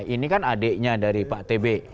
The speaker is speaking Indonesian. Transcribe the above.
ini kan adiknya dari pak tb